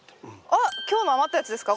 あっ今日の余ったやつですか？